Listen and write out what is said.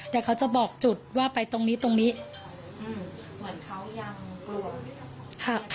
แต่เขาจะบอกจุดว่าไปตรงนี้ตรงนี้เหมือนเขายังกลัวไหมคะ